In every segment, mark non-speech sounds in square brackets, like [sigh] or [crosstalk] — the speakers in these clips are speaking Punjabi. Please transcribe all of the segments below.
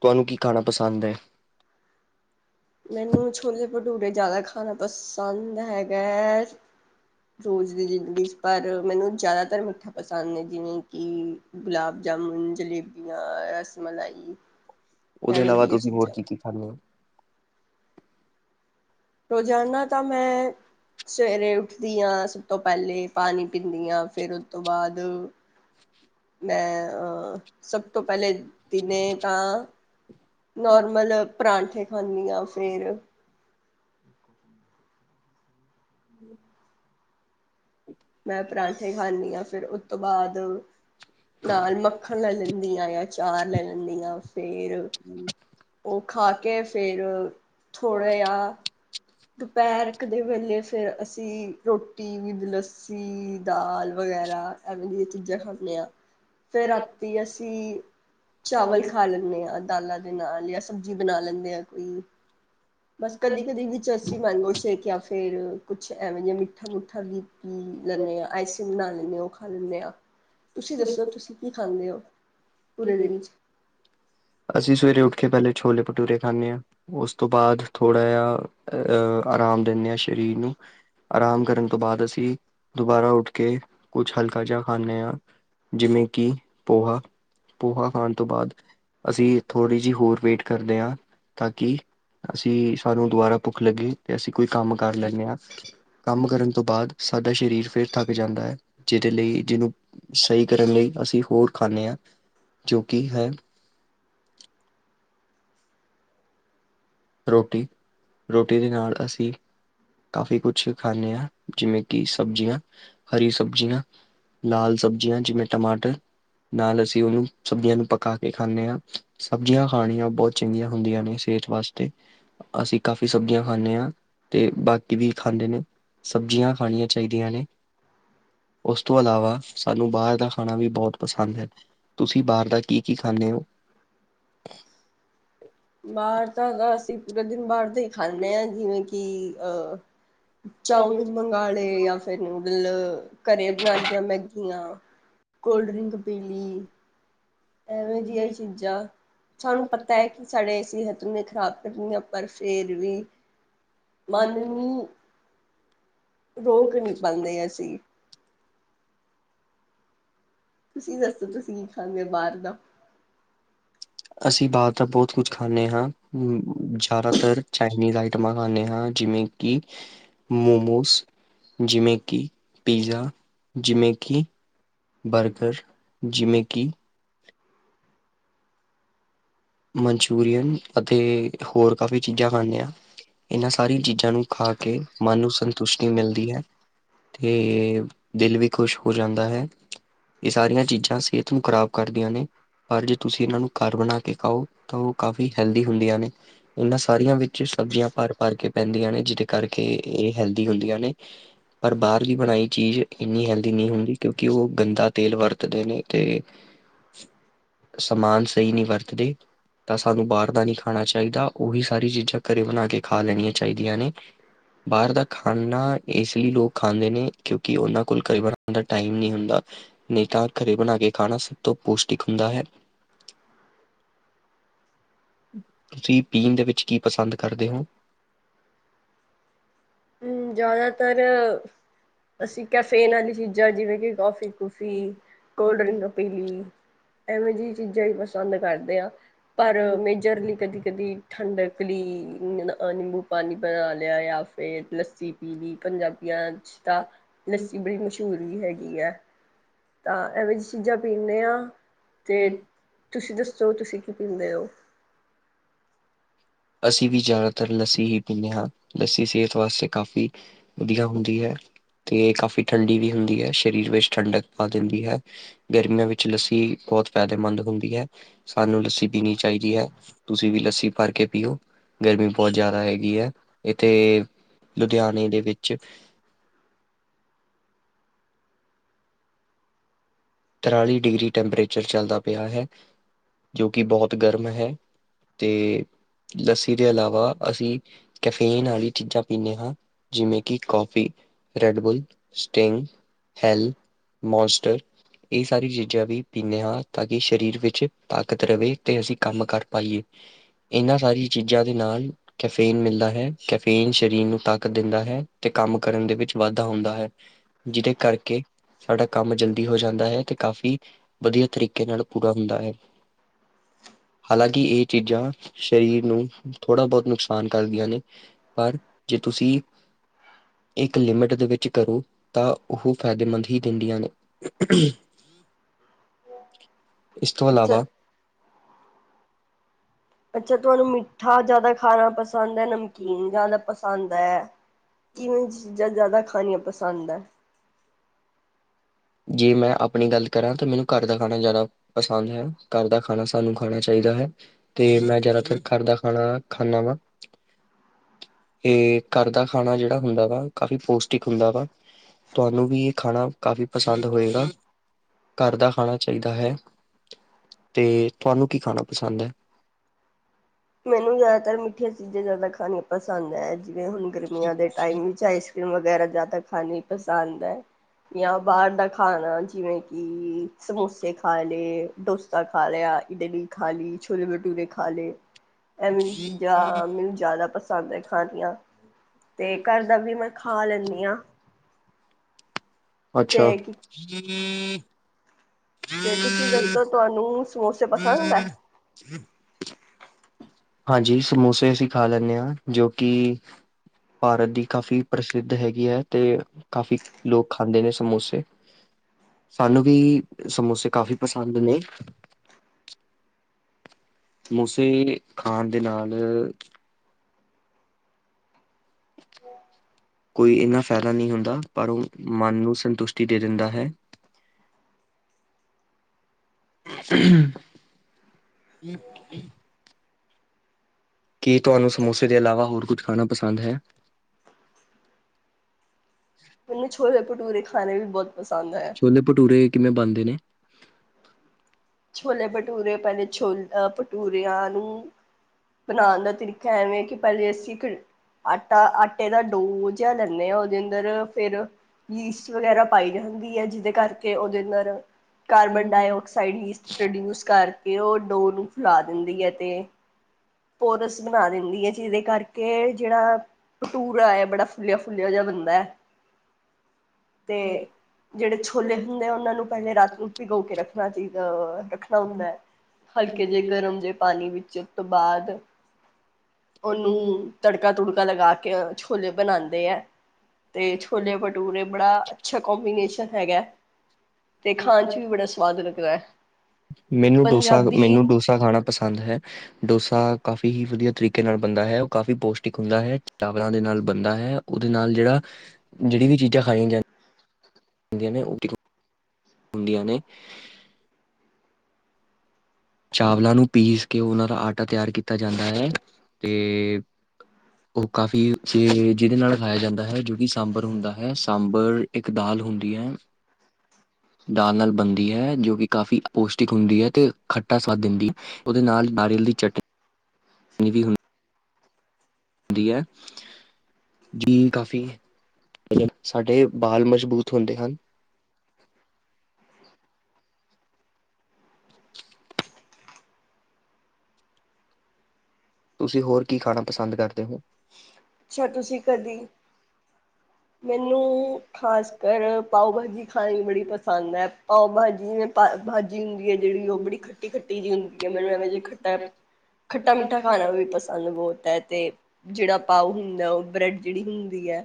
ਤੁਹਾਨੂੰ ਕੀ ਖਾਣਾ ਪਸੰਦ ਹੈ। ਮੈਨੂੰ ਛੋਲੇ ਭਟੂਰੇ ਜਿਆਦਾ ਖਾਣਾ ਬਸ। ਦੰਦ ਹੈਗਾ। ਰੋਜ਼ ਦੀ ਜ਼ਿੰਦਗੀ 'ਚ ਪਰ ਮੈਨੂੰ ਜ਼ਿਆਦਾਤਰ ਮਿੱਠਾ ਪਸੰਦ ਨੇ ਜਿਵੇਂ ਕਿ ਗੁਲਾਬ ਜਾਮੁਨ ਜਲੇਬੀਆਂ ਰਸ ਮਲਾਈ ਉਹਦੇ ਐਵੇਂ ਇਲਾਵਾ ਦੀਆਂ ਤੁਸੀਂ ਹੋਰ ਚੀਜ਼ਾਂ। ਕੀ-ਕੀ ਖਾਂਦੇ ਹੋ? ਰੋਜ਼ਾਨਾ ਤਾਂ ਮੈਂ ਸਵੇਰੇ ਉੱਠਦੀ ਹਾਂ ਸਭ ਤੋਂ ਪਹਿਲੇ ਪਾਣੀ ਪੀਂਦੀ ਹਾਂ ਫਿਰ ਉਹ ਤੋਂ ਬਾਅਦ ਮੈਂ ਆ ਸਭ ਤੋਂ ਪਹਿਲੇ ਦਿਨੇ ਤਾਂ ਨੋਰਮਲ ਪਰਾਂਠੇ ਖਾਣੀ ਆ ਫੇਰ [unintelligible] ਮੈਂ ਪਰਾਂਠੇ ਖਾਂਦੀ ਹਾਂ ਫੇਰ ਉਸ ਤੋਂ ਬਾਅਦ ਨਾਲ ਮੱਖਣ ਲੈ ਲੈਂਦੀ ਹਾਂ ਜਾਂ ਚਾਰ ਲੈ ਲੈਂਦੀ ਹਾਂ ਫੇਰ ਉਹ ਖਾ ਕੇ ਫੇਰ ਥੋੜ੍ਹਾ ਜਿਹਾ ਦੁਪਹਿਰ ਕ ਦੇ ਵੇਲੇ ਫਿਰ ਅਸੀਂ ਰੋਟੀ ਵੀ ਲੱਸੀ ਦਾਲ ਵਗੈਰਾ ਐਵੇਂ ਦੀਆਂ ਚੀਜ਼ਾਂ ਖਾਂਦੇ ਹਾਂ ਫਿਰ ਰਾਤੀ ਅਸੀਂ ਚਾਵਲ ਖਾ ਲੈਂਦੇ ਹਾਂ ਦਾਲਾਂ ਦੇ ਨਾਲ ਜਾਂ ਸਬਜ਼ੀ ਬਣਾ ਲੈਂਦੇ ਹਾਂ ਕੋਈ ਬਸ ਕਦੀ ਕਦੀ ਵੀ ਅਸੀ ਮਾਂਗੋ ਸ਼ੇਕ ਜਾਂ ਫੇਰ ਕੁਛ ਐਵੇਂ ਜਿ ਮਿੱਠਾ ਮੱਠਾ ਵੀ ਕੀ ਲੈਂਦੇ ਆਾ ਆਈਸਕ੍ਰੀਮ ਬਣਾ ਲੈਂਦੇ ਆ ਉਹ ਖਾਣੇ ਆ ਤੁਸੀਂ ਦੱਸੋ ਤੁਸੀਂ ਕੀ ਖਾਂਦੇ ਹੋ ਪੂਰੇ ਦਿਨ ਚ। ਅਸੀਂ ਸਵੇਰੇ ਉੱਠ ਕੇ ਪਹਿਲੇ ਛੋਲੇ ਭਟੂਰੇ ਖਾਂਣੇ ਹਾਂ ਉਸ ਤੋਂ ਬਾਅਦ ਥੋੜਾ ਜਿਹਾ ਅਹ ਆਰਾਮ ਦਿੰਦੇ ਹਾਂ ਸਰੀਰ ਨੂੰ ਆਰਾਮ ਕਰਨ ਤੋਂ ਬਾਅਦ ਅਸੀਂ ਦੁਬਾਰਾ ਉੱਠ ਕੇ ਕੁਛ ਹਲਕਾ ਜਿਹਾ ਖਾਂਣੇ ਹਾਂ ਜਿਵੇਂ ਕਿ ਪੋਹਾ ਪੋਹਾ ਖਾਣ ਤੋਂ ਬਾਅਦ ਅਸੀਂ ਥੋੜ੍ਹੀ ਜਿਹੀ ਹੋਰ ਵੇਟ ਕਰਦੇ ਹਾਂ ਤਾਂ ਕਿ ਅਸੀਂ ਸਾਨੂੰ ਦੁਬਾਰਾ ਭੁੱਖ ਲੱਗੇ ਅਤੇ ਅਸੀਂ ਕੋਈ ਕੰਮ ਕਰ ਲੈਂਦੇ ਹਾਂ ਕੰਮ ਕਰਨ ਤੋਂ ਬਾਅਦ ਸਾਡਾ ਸਰੀਰ ਫਿਰ ਥੱਕ ਜਾਂਦਾ ਹੈ ਜਿਹਦੇ ਲਈ ਜਿਹਨੂੰ ਸਹੀ ਕਰਨ ਲਈ ਅਸੀਂ ਹੋਰ ਖਾਂਦੇ ਹਾਂ ਜੋ ਕਿ ਹੈ ਰੋਟੀ ਰੋਟੀ ਦੇ ਨਾਲ ਅਸੀਂ ਕਾਫ਼ੀ ਕੁਛ ਖਾਂਣੇ ਹਾਂ ਜਿਵੇਂ ਕਿ ਸਬਜ਼ੀਆਂ ਹਰੀ ਸਬਜ਼ੀਆਂ ਲਾਲ ਸਬਜ਼ੀਆਂ ਜਿਵੇਂ ਟਮਾਟਰ ਨਾਲ ਅਸੀਂ ਉਹਨੂੰ ਸਬਜ਼ੀਆਂ ਨੂੰ ਪਕਾ ਕੇ ਖਾਂਣੇ ਹਾਂ ਸਬਜ਼ੀਆਂ ਖਾਣੀਆਂ ਬਹੁਤ ਚੰਗੀਆਂ ਹੁੰਦੀਆਂ ਨੇ ਸਿਹਤ ਵਾਸਤੇ। ਤੇ ਅਸੀਂ ਕਾਫ਼ੀ ਸਬਜ਼ੀਆਂ ਖਾਂਣੇ ਹਾਂ ਤੇ ਬਾਕੀ ਵੀ ਖਾਂਦੇ ਨੇ ਸਬਜ਼ੀਆਂ ਖਾਣੀਆਂ ਚਾਹੀਦੀਆਂ ਨੇ। ਉਸ ਤੋਂ ਇਲਾਵਾ ਸਾਨੂੰ ਬਾਹਰ ਦਾ ਖਾਣਾ ਵੀ ਬਹੁਤ ਪਸੰਦ ਹੈ ਤੁਸੀਂ ਬਾਹਰ ਦਾ ਕੀ ਕੀ ਖਾਂਣੇ ਹੋ। ਬਾਹਰ ਤਾਂ ਹੈਗਾ ਅਸੀਂ ਪੂਰਾ ਦਿਨ ਬਾਹਰ ਖਾਂਦੇ ਹਾਂ ਜਿਵੇਂ ਕਿ ਕਿ ਅਹ ਚਾਮਿਨ ਮੰਗ ਲਏ ਜਾਂ ਫਿਰ ਨੂਡਲ ਘਰੇ ਬਣਾ ਲਈੀਆਂ ਮੈਗੀਆਂ ਕੋਲਡ ਡਰਿੰਕ ਪੀਲੀ ਐਵੇਂ ਜਿਹੀਆਂ ਚੀਜ਼ਾਂ ਸਾਨੂੰ ਪਤਾ ਹੈ ਕਿ ਸਾਡੇ ਸਿਹਤਨੇ ਖ਼ਰਾਬ ਕਰਨਦੀੀਆਂ ਪਰ ਫੇਿਰ ਵੀ ਮਨ ਨ ਰੋਕ ਨਹੀਂੀ ਪਾਉਂਦੇ ਅਸੀਂ ਤੁਸੀਂ ਦੱਸੋ ਤੁਸੀਂ ਕੀ ਖਾਂਦੇ ਬਾਹਰ ਦਾ ਅਸੀਂ ਬਾਅਰ ਤਾਂ ਬਹੁਤ ਕੁਛ ਖਾਂਦੇ ਹਾਂ ਜ਼ਿਆਦਾਤਰ ਚਾਈਨੀਜ਼ ਆਈਟਮਾਂ ਖਾਂਦੇ ਹਾਂ ਜਿਵੇਂ ਕਿ ਮੋਮੋਸ ਜਿਵੇਂ ਕਿ ਪੀਜ਼ਾ ਜਿਵੇਂ ਕਿ ਬਰਗਰ ਜਿਵੇਂ ਕਿ ਮਨਚੂਰੀਅਨ ਅਤੇ ਹੋਰ ਕਾਫ਼ੀ ਚੀਜ਼ਾਂ ਖਾਂਦੇ ਹਾਂ ਇਹਨਾਂ ਸਾਰੀਆਂ ਚੀਜ਼ਾਂ ਨੂੰ ਖਾ ਕੇ ਮਨ ਨੂੰ ਸੰਤੁਸ਼ਟੀ ਮਿਲਦੀ ਹੈ ਤੇ ਦਿਲ ਵੀ ਖੁਸ਼ ਹੋ ਜਾਂਦਾ ਹੈ ਇਹ ਸਾਰੀਆਂ ਚੀਜ਼ਾਂ ਸਿਹਤ ਨੂੰ ਖ਼ਰਾਬ ਕਰਦੀਆਂ ਨੇ ਪਰ ਜੇ ਤੁਸੀਂ ਇਹਨਾਂ ਨੂੰ ਕਾਰਬਨ ਖਾਓ ਤਾਂ ਉਹ ਕਾਫ਼ੀ ਹੈਲਦੀ ਹੁੰਦੀਆਂ ਨੇ ਇਹਨਾਂ ਸਾਰੀਆਂ ਵਿੱਚ ਸਬਜ਼ੀਆਂ ਭਰ ਭਰ ਕੇ ਪੈਂਦੀਆਂ ਨੇ ਜਿਹਦੇ ਕਰਕੇ ਇਹ ਹੈਲਦੀ ਹੁੰਦੀਆਂ ਨੇ ਪਰ ਬਾਹਰ ਦੀ ਬਣਾਈ ਚੀਜ਼ ਇੰਨੀ ਹੈਲਦੀ ਨਹੀਂ ਹੁੰਦੀ ਕਿਉਂਕਿ ਉਹ ਗੰਦਾ ਤੇਲ ਵਰਤਦੇ ਨੇ ਤੇ ਸਮਾਨ ਸਹੀ ਨਹੀਂ ਵਰਤ ਤਾਂ ਸਾਨੂੰ ਬਾਹਰ ਦਾ ਨਹੀਂੀ ਖਾਣਾ ਚਾਹੀਦਾ ਉਹੀ ਸਾਰੀ ਚੀਜ਼ਾਂ ਘਰੇ ਬਣਾ ਕੇ ਖਾ ਲੈਣੀਆਂ ਚਾਹੀਦੀਆਂ ਨੇ ਬਾਹਰ ਦਾ ਖਾਣਾ ਇਸ ਲਈ ਲੋਕ ਖਾਂਦੇ ਨੇ ਕਿਉਂਕਿ ਉਹਨਾਂ ਕੋਲ ਘਰੇ ਬਣਾਉਣ ਦਾ ਟਾਈਮ ਨਹੀਂ ਹੁੰਦਾ ਨਹੀਂ ਤਾਂ ਘਰੇ ਬਣਾ ਕੇ ਖਾਣਾ ਸਭ ਤੋਂ ਪੌਸ਼ਟਿਕ ਹੁੰਦਾ ਹੈ ਤੁਸੀਂ ਪੀਣ ਦੇ ਵਿੱਚ ਕੀ ਪਸੰਦ ਕਰਦੇ ਹੋ ਹਮ ਜ਼ਿਆਦਾਤਰ ਅਸੀਂ ਕੈਫੇਨ ਵਾਲੀ ਚੀਜ਼ਾਂ ਜਿਵੇਂ ਕਿ ਕਾਫੀ ਕਫੀ ਕੋਲਡ ਡਰਿੰਕ ਪੀਲੀ ਐਵੇਂ ਜਿਹੀ ਚੀਜ਼ਾਂ ਹੀ ਬਸ ਪਸੰਦ ਕਰਦੇ ਹ ਪਰ ਮੇਜਰਲੀ ਕਦੀ ਕਦੀ ਠੰਡਕਲੀ ਨਿੰਬੂ ਪਾਣੀ ਬਣਾ ਲਿਆ ਜਾਂ ਫੇਰ ਲੱਸੀ ਪੀ ਲਈ ਪੰਜਾਬੀਆਂ ਤਾਂ ਲੱਸੀ ਬੜੀ ਮਸ਼ਹੂਰ ਵੀ ਹੈਗੀ ਠੀਕ ਹੈ ਤਾਂ ਐਵੇਂ ਚ ਚੀਜ਼ਾਂ ਪੀਂਦੇ ਆ ਤੇ ਤੁਸੀਂ ਦੱਸੋ ਤੁਸੀਂ ਕੀ ਪੀਂਦੇ ਹੋ ਅਸੀਂ ਵੀ ਜ਼ਿਆਦਾਤਰ ਲੱਸੀ ਹੀ ਪੀਂਦੇ ਹਾਂ ਲੱਸੀ ਸਿਹਤ ਵਾਸਤੇ ਕਾਫ਼ੀ ਵਧੀਆ ਹੁੰਦੀ ਹੈ ਤੇ ਕਾਫ਼ੀ ਠੰਡੀ ਵੀ ਹੁੰਦੀ ਹੈ ਸਰੀਰ ਵਿੱਚ ਠੰਡਕ ਪਾ ਦਿੰਦੀ ਹੈ ਗਰਮੀਆਂ ਵਿੱਚ ਲੱਸੀ ਬਹੁਤ ਫਾਇਦੇਮੰਦ ਹੁੰਦੀ ਹੈ ਸਾਨੂੰ ਲੱਸੀ ਪੀਣੀ ਚਾਹੀਦੀ ਹੈ ਤੁਸੀਂ ਵੀ ਲੱਸੀ ਭਰ ਕੇ ਪੀਓ ਗਰਮੀ ਬਹੁਤ ਜ਼ਿਆਦਾ ਹੈਗੀ ਹੈ ਇਥੇ ਲੁਧਿਆਣੇ ਦੇ ਵਿੱਚ ਤਰਾਲੀ ਡਿਗਰੀ ਟੈਂਪਰੇਚਰ ਚੱਲਦਾ ਪਿਆ ਹੈ ਜੋ ਕਿ ਬਹੁਤ ਗਰਮ ਹੈ ਅਤੇ ਲੱਸੀ ਦੇ ਇਲਾਵਾ ਅਸੀਂ ਕੈਫੇਨ ਵਾਲੀ ਚੀਜ਼ਾਂ ਪੀਂਦੇ ਹਾਂ ਜਿਵੇਂ ਕਿ coffee Red Bull Sting Hell Monster ਇਹ ਸਾਰੀ ਚੀਜ਼ਾਂ ਵੀ ਪੀਂਦੇ ਹਾਂ ਤਾਂ ਕਿ ਸਰੀਰ ਵਿੱਚ ਤਾਕਤ ਰਹੇ ਤੇ ਅਸੀਂ ਕੰਮ ਕਰ ਪਾਈਏ ਇਹਨਾਂ ਸਾਰੀ ਚੀਜ਼ਾਂ ਦੇ ਨਾਲ ਕੈਫੇਨ ਮਿਲਦਾ ਹੈ ਕੈਫੇਨ ਸਰੀਰ ਨੂੰ ਤਾਕਤ ਦਿੰਦਾ ਹੈ ਤੇ ਕੰਮ ਕਰਨ ਦੇ ਵਿੱਚ ਵਾਧਾ ਹੁੰਦਾ ਹੈ ਜਿਹਦੇ ਕਰਕੇ ਸਾਡਾ ਕੰਮ ਜਲਦੀ ਹੋ ਜਾਂਦਾ ਹੈ ਤੇ ਕਾਫ਼ੀ ਵਧੀਆ ਤਰੀਕੇ ਨਾਲ ਪੂਰਾ ਹੁੰਦਾ ਹੈ ਹਾਲਾਂਕਿ ਇਹ ਚੀਜ਼ਾਂ ਸਰੀਰ ਨੂੰ ਥੋੜ੍ਹਾ ਬਹੁਤ ਨੁਕਸਾਨ ਕਰਦੀਆਂ ਨੇ ਪਰ ਜੇ ਤੁਸੀਂ ਇੱਕ ਲਿਮਿਟ ਦੇ ਵਿੱਚ ਕਰੋ ਤਾਂ ਉਹ ਫਾਇਦੇਮੰਦ ਹੀ ਦਿੰਦੀਆਂ ਨੇ ਅ ਇਸ ਤੋਂ ਅੱਛਾ ਇਲਾਵਾ ਅੱਛਾ ਤੁਹਾਨੂੰ ਮਿੱਠਾ ਜ਼ਿਆਦਾ ਖਾਰਾ ਪਸੰਦ ਹੈ ਪਸੰਦ ਹੈ ਨਮਕੀਨ ਜਿਆਦਾ ਪਸੰਦ ਹੈ ਕਿਵੇਂ ਚੀਜ਼ਾਂ ਜ਼ਿਆਦਾ ਖਾਣੀਆਂ ਪਸੰਦ ਪਸੰਦ ਹੈ ਜੇ ਮੈਂ ਆਪਣੀ ਗੱਲ ਕਰਾਂ ਤਾਂ ਮੈਨੂੰ ਘਰ ਦਾ ਖਾਣਾ ਜ਼ਿਆਦਾ ਪਸੰਦ ਹੈ ਘਰ ਦਾ ਖਾਣਾ ਸਾਨੂੰ ਖਾਣਾ ਚਾਹੀਦਾ ਹੈ ਤੇ ਮੈਂ ਜ਼ਿਆਦਾਤਰ ਘਰ ਦਾ ਖਾਣਾ ਖਾਂਦਾ ਵਾ ਤੇ ਘਰ ਦਾ ਖਾਣਾ ਜਿਹੜਾ ਹੁੰਦਾ ਵਾ ਕਾਫ਼ੀ ਪੌਸ਼ਟਿਕ ਹੁੰਦਾ ਵਾ ਤੁਹਾਨੂੰ ਵੀ ਇਹ ਖਾਣਾ ਕਾਫ਼ੀ ਪਸੰਦ ਹੋਏਗਾ ਘਰ ਦਾ ਖਾਣਾ ਚਾਹੀਦਾ ਹੈ ਤੇ ਤੁਹਾਨੂੰ ਕੀ ਖਾਣਾ ਪਸੰਦ ਹੈ ਮੈਨੂੰ ਜ਼ਿਆਦਾਤਰ ਮਿੱਠੀਆਂ ਚੀਜ਼ਾਂ ਜ਼ਿਆਦਾ ਖਾਣੀਆਂ ਪਸੰਦ ਹੈ ਜਿਵੇਂ ਹੁਣ ਗਰਮੀਆਂ ਦੇ ਟਾਈਮ ਵਿੱਚ ਆਈਸ ਕਰ੍ਰੀਮ ਵਗੈਰਾ ਜ਼ਿਆਦਾ ਖਾਣੀ ਪਸੰਦ ਹੈ ਜਾਂ ਬਾਹਰ ਦਾ ਖਾਣਾ ਜਿਵੇਂ ਕਿ ਸਮੋਸੇ ਖਾ ਲਏ ਡੋਸਾ ਖਾ ਲਿਆ ਦੇ ਖਾ ਲਈ ਛੋਲੇ ਭਟੂਰੇ ਖਾ ਲਏ ਐਵੇਂ ਚੀਜ਼ਾਂ ਮੈਨੂੰ ਜ਼ਿਆਦਾ ਪਸੰਦ ਹੈ ਖਾਣੀਆਂ ਤੇ ਘਰ ਦਾ ਵੀ ਮੈਂ ਖਾ ਲੈਂਦੀ ਹਾਂ ਅੱਛਾ ਤੇ ਕੀ [unintelligible] ਤੇ ਤੁਸੀਂ ਦੱਸੋ ਤੁਹਾਨੂੰ ਸਮੋਸੇ ਪਸੰਦ ਹੈ ਹਾਂਜੀ ਸਮੋਸੇ ਅਸੀਂ ਖਾ ਲੈਂਦੇ ਹਾਂ ਜੋ ਕਿ ਭਾਰਤ ਦੀ ਕਾਫ਼ੀ ਪ੍ਰਸਿੱਧ ਹੈਗੀ ਹੈ ਤੇ ਕਾਫ਼ੀ ਲੋਕ ਖਾਂਦੇ ਨੇ ਸਮੋਸੇ ਸਾਨੂੰ ਵੀ ਸਮੋਸੇ ਕਾਫ਼ੀ ਪਸੰਦ ਨੇ ਸਮੌਸੇ ਖਾਣ ਦੇ ਨਾਲ ਕੋਈ ਇਨਾ ਫਾਇਦਾ ਨਹੀਂ ਹੁੰਦਾ ਪਰ ਉਹ ਮਨ ਨੂੰ ਸੰਤੁਸ਼ਟੀ ਦੇ ਦਿੰਦਾ ਹੈ [unintelligible] ਕੀ ਤੁਹਾਨੂੰ ਸਮੋਸੇ ਦੇ ਇਲਾਵਾ ਹੋਰ ਕੁਝ ਖਾਣਾ ਪਸੰਦ ਹੈ ਮੈਨੂੰ ਛੋਏ ਭਟੂਰੇ ਖਾਨੇ ਵੀ ਬਹੁਤ ਪਸੰਦ ਹੈ ਛੋਲੇ ਭਟੂਰੇ ਕਿਵੇਂ ਬਣਦੇ ਨੇ ਛੋਲੇ ਭਟੂਰੇ ਪਹਿਲੇ ਛੋ ਭਟੂੂਰਿਆਂ ਨੂੰ ਬਣਾਉਣ ਦਾ ਤਰੀਕਾ ਐਵੇਂ ਕਿ ਪਹਿਲੇ ਅਸੀਂ [unintelligible] ਆਟਾ ਆਟੇ ਦਾ ਦੌਹ ਜਿਹਾ ਲੈਂਦੇ ਆਾਂ ਉਹਦੇ ਅੰਦਰ ਫੇਿਰ ਯੀਸਟ ਵਗੈਰਾ ਪਾਈ ਜਾਂਦੀ ਹੈ ਜਿਹਦੇ ਕਰਕੇ ਉਹਦੇ ਇਧਰ ਕਾਰਬਨ ਡਾਇਆਕਸਾਈਡ ਵੀ ਪ੍ਰੋਡਿਊਸ ਕਰਕੇ ਉਹ ਡੋ ਨੂੰ ਫੈਲਾ ਦਿੰਦੀ ਹੈ ਤੇ ਪੋਰਸ ਬਣਾ ਦਿੰਦੀ ਹੈ ਜਿਹਦੇ ਕਰਕੇ ਜਿਹੜਾ ਭਟੂਰ ਹੈ ਬੜਾ ਫੁੱਲਿਆ ਫੁੱਲਿਆ ਜਿਹਾ ਬੰਦਾ ਹੈ ਤੇ ਜਿਹੜੇ ਛੋਲੇ ਹੁੰਦੇ ਆ ਉਹਨਾਂ ਨੂੰ ਪਹਿਲੇ ਰਾਤ ਨੂੰ ਭਿਗੋ ਕੇ ਰੱਖਣਾ ਚਾਹੀਦਾ ਅਹ ਰੱਖਣਾ ਹੁੰਦਾ ਹੈ ਹਲਕੇ ਜਿਹੇ ਗਰਮ ਜਿਹੇ ਪਾਣੀ ਵਿੱਚ ਬਾਅਦ ਉਹਨੂੰ ਤੜਕਾ ਤੜਕਾ ਲਗਾ ਕੇ ਛੌਲੇ ਬਣਾਉਂਦੇ ਹੈ ਤੇ ਛੋਲੇ ਭਟੂਰ ਬੜਾ ਅੱਛਾ ਕਬੀਨੇਸ਼ਨ ਹੈਗਾ ਤੇ ਖਾਣ ਚ ਵੀ ਬੜਾ ਸਵਾਦ ਲੱਗਦਾ ਹੈ ਮੈਨੂੰ ਡੋਸਾ ਪੰਜਾਬੀ ਮੈਨੂੰ ਡੋਸਾ ਖਾਣਾ ਪਸੰਦ ਹੈ ਡੋਸਾ ਕਾਫੀ ਕਾਫੀ ਹੀ ਵਧੀਆ ਤਰੀਕੇ ਨਾਲ ਬਣਦਾ ਹੈ ਉਹ ਕਾਫ਼ੀ ਪੌਸ਼ਟਿਕ ਹੁੰਦਾ ਹੈ ਚਾਵਰਾਂ ਦੇ ਨਾਲ ਬਣਦਾ ਹੈ ਉਹਦੇ ਨਾਲ ਜਿਹੜਾ ਜਿਹੜੀ ਵੀ ਚੀਜ਼ਾਂ ਖਾਈਆਂ ਜਾਂਦੀਆਂਦੀਆਂ ਨੇ ਹੱਡੀਆ ਨੇ ਚਾਵਲਾਂ ਨੂੰ ਪੀਸ ਕੇ ਉਹਨਾਂ ਦਾ ਆਟਾ ਤਿਆਰ ਕੀਤਾ ਜਾਂਦਾ ਹੈ। ਤੇ ਉਹ ਕਾਫ਼ੀ ਸ ਜਿਹਦੇ ਨਾਲ ਖਾਇਆ ਜਾਂਦਾ ਹੈ। ਜੋ ਕਿ ਸਾਂਬਰ ਹੁੰਦਾ ਹੈ, ਸਾਂਬਰ ਇੱਕ ਦਾਲ ਹੁੰਦੀ ਹੈ। ਦਾਲ ਨਾਲ ਬਣਦੀ ਹੈ ਜੋ ਕਿ ਕਾਫ਼ੀ ਪੌਸ਼ਟਿਕ ਹੁੰਦੀ ਹੈ ਅਤੇ ਖੱਟਾ ਸਵਾਦ ਦਿੰਦੀ ਉਹਦੇ ਨਾਲ ਨਾਰੀਅਲ ਦੀ ਚਟਨੀ ਵੀ ਹੁੰ ਹੁੰਦੀ ਹੈ। ਜੀ ਕਾਫ਼ੀ ਮਤਲਬ ਸਾਡੇ ਬਾਲ ਮਜ਼ਬੂਤ ਹੁੰਦੇ ਹਨ। ਤੁਸੀਂ ਹੋਰ ਕੀ ਖਾਣਾ ਪਸੰਦ ਕਰਦੇ ਹੋ। ਅੱਛਾ, ਤੁਸੀਂ ਕਦੀ ਮੈਨੂੰ ਖ਼ਾਸ ਕਰ ਪਾਓ ਭਾਜੀ ਖਾਣੀ ਬੜੀ ਪਸੰਦ ਹੈ। ਪਾਓ ਭਾਜੀ, ਭਾਜੀ ਹੁੰਦੀ ਹੈ ਜਿਹੜੀ ਉਹ ਬੜੀ ਖੱਟੀ ਖੱਟੀ ਜਿਹੀ ਹੁੰਦੀ ਹੈ ਮੈਨੂੰ ਐਵੇਂ ਜਿ ਖੱਟਾ, ਖੱਟਾ ਮਿੱਠਾ- ਖਾਣਾ ਵੀ ਪਸੰਦ ਬਹੁਤ ਹੈ ਤੇ ਜਿਹੜਾ ਪਾਓ ਹੁੰਦਾ ਉਹ ਬ੍ਰੈਡ ਜਿਹੜੀ ਹੁੰਦੀ ਹੈ।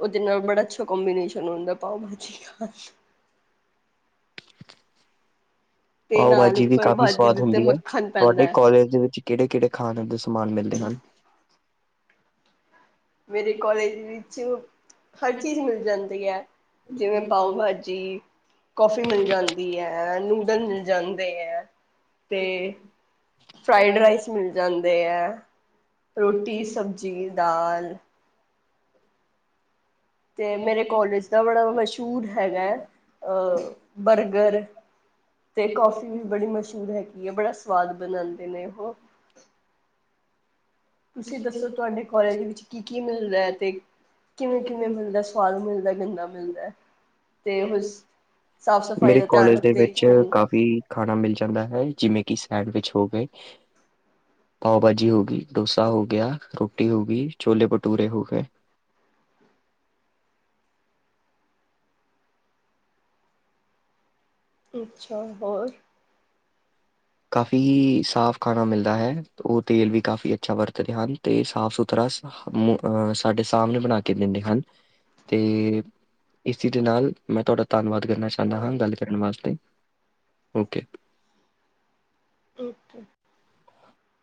ਉਹਦੇ ਬੜਾ ਅੱਛਾ ਕੰਬੀਨੇਸ਼ ਹੰਦਾ। ਪਾਓ ਭਾਜੀ ਠੀ ਖਾ ਪਾਓ ਨਾਲ ਬਾਜੀ ਵੀ ਉੱਪਰ ਕਾਫ਼ੀ ਭਾਜੀ ਸਵਾਦ ਦੇ ਉੱਤੇ ਹੁੰਦੀ ਹੈ ਮੱਖਣ ਪੈਂਦਾ ਤੁਹਾਡੇ ਹੈ। ਕੋਲਾਜ ਦੇ ਵਿੱਚ ਕਿਹੜੇ -ਕਿਹੜੇ ਖਾਣ ਦੇ ਸਮਾਨ ਮਿਲਦੇ ਹਨ। ਮੇਰੇ ਕੋਲੇਜ ਵਿੱਚ ਹਰ ਚੀਜ਼ ਮਿਲ ਜਾਂਦੀ ਹੈ। ਜਿਵੇਂ ਪਾਓ ਭਾਜੀ, ਕਫੀ ਮਿਲ ਜਾਂਦੀ ਹੈ ਨੂਡਲ ਮਿਲ ਜਾਂਦੇ ਹੈ ਤੇ ਫਰਾਾਈਡ ਰਾਈਸ ਮਿਲ ਜਾਂਦੇ ਹੈ। ਰੋਟੀ, ਸਬਜ਼ੀ, ਦਾਲ ਤੇ ਮੇਰੇ ਕੋਲੇਜ ਦਾ ਬੜਾ ਮਸ਼ਹੂਰ ਹੈਗਾ ਹੈ ਅਹ ਬਰਗਰ ਤੇ ਕਾਫੀ ਵੀ ਬੜੀ ਮਸ਼ਹੂਰ ਹੈਗੀ ਹੈ ਬੜਾ ਸਵਾਦ ਬਣਾਉਂਦੇ ਨੇ ਉਹ [unintelligible] ਤੁਸੀਂ ਦੱਸੋ ਤੁਹਾਡੇ ਕੋਾਲਜ ਵਿੱਚ ਕੀ ਕੀ ਮਿਲਦਾ ਹੈ ਤੇ ਕਿਵੇਂ -ਕਿਵੇਂ ਮਿਲਦਾ ਸੁਵਾਦ ਮਿਲਦਾ ਗੰਦਾ ਮਿਲਦਾ ਹੈ। ਮੇਰੇ ਧਿਆਨ ਕੋਾਲਜ ਦੇ ਰੱਖਦੇ ਵਿੱਚ ਕਿ ਨਹੀਂ ਕਾਫੀ ਖਾਣਾ ਮਿਲ ਜਾਂਦਾ ਹੈ। ਜਿਵੇਂ ਕਿ ਸੈਂਡਵਿਚ ਹੋ ਗਏ, ਪਾਓ ਭਾਜੀ ਹੋ ਗਈ ਡੋਸਾ ਹੋ ਗਿਆ, ਰੋਟੀ ਹੋ ਗਈ ਛੋਲੇ ਭਟੂਰੇ ਹੋ ਗਏ। ਅੱਛਾ, ਹੋਰ ਕਾਫ਼ੀ ਸਾਫ ਖਾਣਾ ਮਿਲਦਾ ਹੈ। ਉਹ ਤੇਲ ਵੀ ਕਾਫ਼ੀ ਅੱਛਾ ਵਰਤਦੇ ਹਨ ਅਤੇ ਸਾਫ -ਸੁਥਰਾ ਸਾਡੇ ਸਾਹਮਣੇ ਬਣਾ ਕੇ ਦਿੰਦੇ ਹਨ। ਅਤੇ ਇਸੀ ਦੇ ਨਾਲ, ਮੈਂ ਤੁਹਾਡਾ ਧੰਨਵਾਦ ਕਰਨਾ ਚਾਹੁੰਦਾ ਹਾਂ ਗੱਲ ਕਰਨ ਵਾਸਤੇ। Okay, okay.